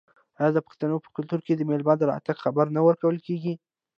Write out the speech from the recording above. آیا د پښتنو په کلتور کې د میلمه د راتګ خبر نه ورکول کیږي؟